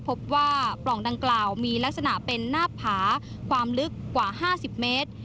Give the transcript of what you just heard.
ปล่องดังกล่าวมีลักษณะเป็นหน้าผาความลึกกว่า๕๐เมตร